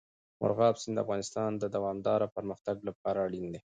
مورغاب سیند د افغانستان د دوامداره پرمختګ لپاره اړین دي.